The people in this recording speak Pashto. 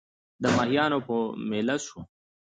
د ماهیانو په مېله سوو